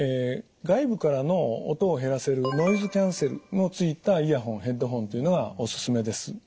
外部からの音を減らせるノイズキャンセルのついたイヤホンヘッドホンというのがおすすめです。